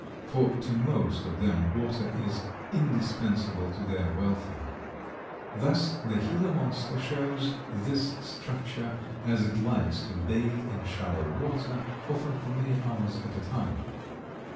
For to most of them water is indispensable to their welfare. Thus the Gila Monster shows this structure as it likes to bathe in shallow water, often for many hours at a time.